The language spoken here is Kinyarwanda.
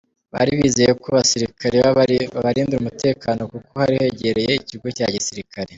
Bari bizeye ko abasirikare babarindira umutekano, kuko hari hegereye ikigo cya gisirikare.